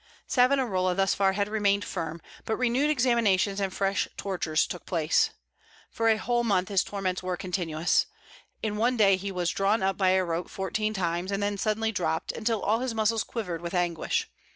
Savonarola thus far had remained firm, but renewed examinations and fresh tortures took place. For a whole month his torments were continuous. In one day he was drawn up by a rope fourteen times, and then suddenly dropped, until all his muscles quivered with anguish.